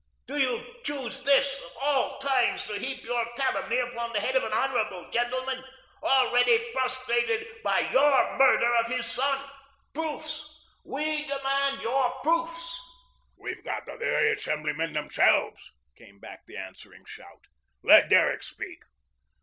Do you choose this, of all times, to heap your calumny upon the head of an honourable gentleman, already prostrated by your murder of his son? Proofs we demand your proofs!" "We've got the very assemblymen themselves," came back the answering shout. "Let Derrick speak.